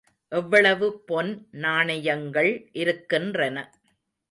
எவ்வளவு பொன் நாணயங்கள் இருக்கின்றன.